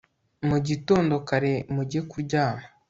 mugitondo kare mujye kuryama